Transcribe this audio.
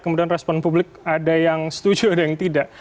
kemudian respon publik ada yang setuju ada yang tidak